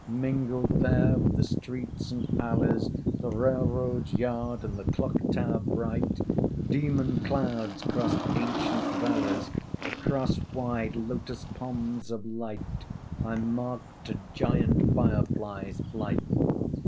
Mingled there with the streets and alleys, The railroad yard and the clock tower bright, Demon clouds crossed ancient valleys; Across wide lotus ponds of light I marked a giant firefly's flight.